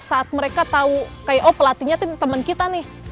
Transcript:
saat mereka tahu pelatihnya ini teman kita